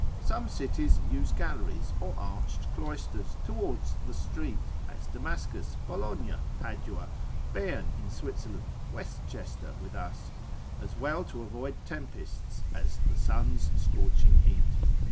Some cities use galleries, or arched cloisters towards the street, as Damascus, Bologna, Padua, Berne in Switzerland, Westchester with us, as well to avoid tempests, as the sun's scorching heat.